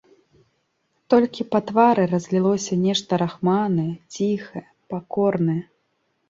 Толькі па твары разлілося нешта рахманае, ціхае, пакорнае.